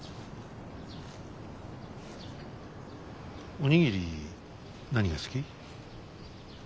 お握り何が好き？